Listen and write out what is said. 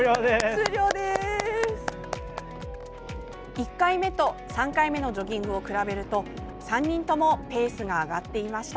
１回目と３回目のジョギングを比べると３人ともペースが上がっていました。